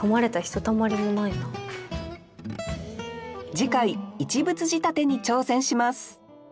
次回「一物仕立て」に挑戦します